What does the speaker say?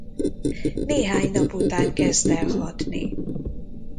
Néhány nap után kezd el hatni.